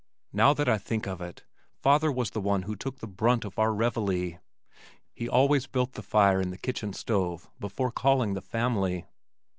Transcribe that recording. Now that I think of it, father was the one who took the brunt of our "revellee." He always built the fire in the kitchen stove before calling the family.